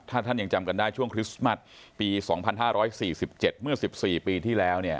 ถ้าท่านยังจำกันได้ช่วงคริสต์มัสปี๒๕๔๗เมื่อ๑๔ปีที่แล้ว